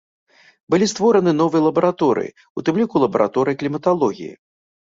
Былі створаны новыя лабараторыі, у тым ліку лабараторыя кліматалогіі.